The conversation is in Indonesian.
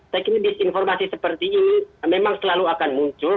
saya kira disinformasi seperti ini memang selalu akan muncul